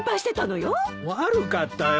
悪かったよ。